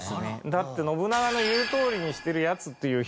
だって信長の言うとおりにしているヤツっていう評価です